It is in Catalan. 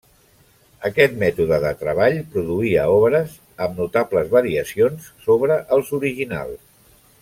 Aquest mètode de treball produïa obres amb notables variacions sobre els originals.